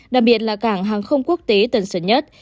đặc biệt là cảng hàng không quốc tế tân sơn nhất